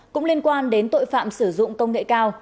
cũng liên quan đến tội phạm sử dụng công nghệ cao